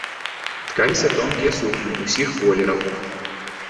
Ткаліся тонкія сукны ўсіх колераў.